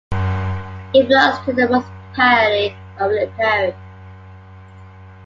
It belongs to the municipality of Lipari.